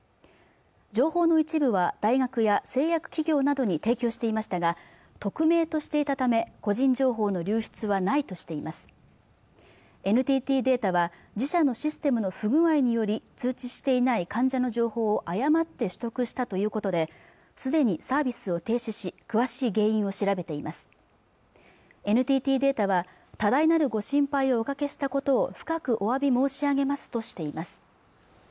情報の一部は大学や製薬企業などに提供していましたが匿名としていたため個人情報の流出はないとしていますＮＴＴデータは自社のシステムの不具合により通知していない患者の情報を誤って取得したということで既にサービスを停止し詳しい原因を調べていますＮＴＴデータは多大なるご心配をおかけしたことを深くお詫び申し上げますとしています